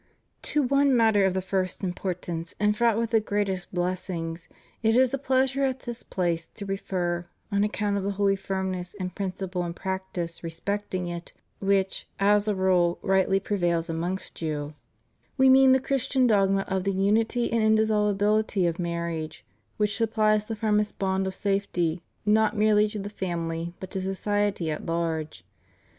To one matter of the first importance and fraught with the greatest blessings it is a pleasure at this place to refer, on account of the holy firmness in principle and practice respecting it which, as a rule, rightly prevails amongst you; We mean the Christian dogma of the unity and indissolubiUty of marriage; which supplies the firmest bond of safety not merely to the family but to society at large.